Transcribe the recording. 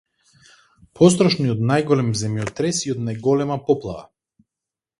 Пострашно и од најголем земјотрес и од најголема поплава!